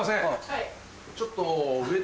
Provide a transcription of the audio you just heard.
はい。